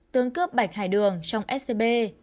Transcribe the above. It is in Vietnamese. tương cướp bạch hải đường trong scb